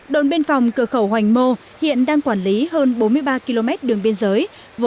đồn biên phòng cửa khẩu hoành mô hiện đang quản lý hơn bốn mươi ba km đường biên giới